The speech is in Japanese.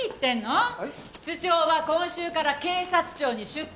室長は今週から警察庁に出向です。